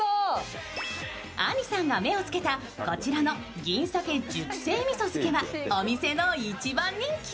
あんりさんが目をつけたこちらの銀さけ熟成味噌漬けはお店の一番人気。